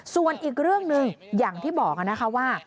ส่วนอีกเรื่องหนึ่งอย่างที่บอกนะคะว่า